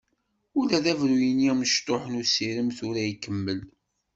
Ula d abruy-nni amecṭuḥ n usirem tura ikemmel.